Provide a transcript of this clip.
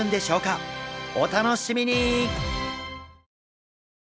お楽しみに！